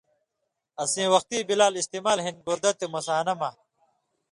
اسیں وختی بلال استعمال ہِن گردہ تے مثانہ مہ